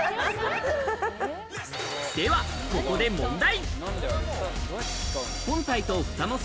では、ここで問題。